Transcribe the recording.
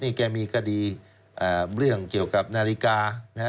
นี่แกมีคดีเรื่องเกี่ยวกับนาฬิกา